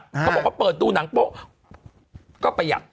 เขาบอกว่าเปิดดูหนังโป๊ะก็ประหยัด